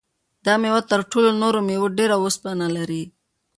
دا مېوه تر ټولو نورو مېوو ډېر اوسپنه لري.